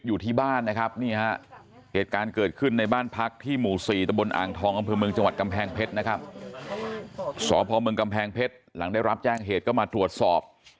หยุดให้การเกิดขึ้นในบ้านพรรคที่หมู่ศรีตะบลอ่างทองกันเพลงจังหวัดกำแพงเพชรนะครับสพเมืองกำแพงเพชรหลังได้รับแจ้งเหตุเข้ามาทดสอบ